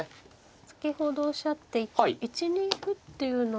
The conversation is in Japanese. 先ほどおっしゃっていた１二歩っていうのは。